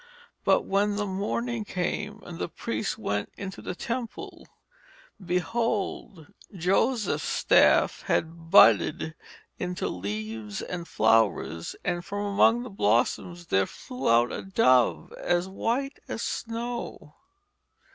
But when the morning came and the priest went into the temple, behold, Joseph's staff had budded into leaves and flowers, and from among the blossoms there flew out a dove as white as snow.